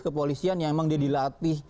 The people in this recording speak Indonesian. kepolisian yang memang dia dilatih